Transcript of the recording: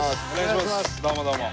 どうもどうも。